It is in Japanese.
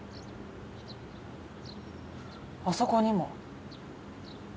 あそこにも。